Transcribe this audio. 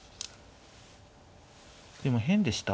でも変でした？